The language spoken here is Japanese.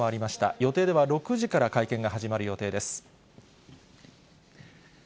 予定では６時から会見が始まる予定です。